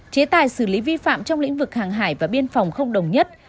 chế tài xử lý vi phạm trong lĩnh vực hàng hải và biên phòng không đồng nhất